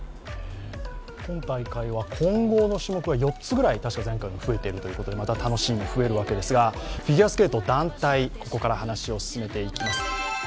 今大会は混合の種目が４つぐらいたしか前回よりも増えているということでまた楽しみも増えるわけですがフィギュアスケート団体ここから話を進めていきます。